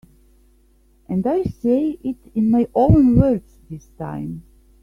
And I'll say it in my own words this time.